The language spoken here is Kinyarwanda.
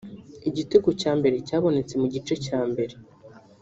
Igitego cya mbere cyabonetse mu gice cya mbere